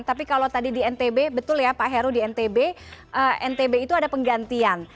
tapi kalau tadi di ntb betul ya pak heru di ntb ntb itu ada penggantian